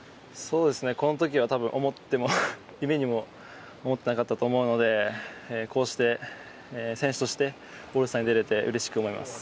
この時は夢にも思っていなかったと思うのでこうして選手としてオールスターに出れてうれしく思います。